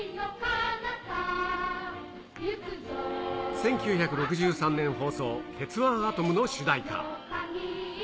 １９６３年放送、鉄腕アトムの主題歌。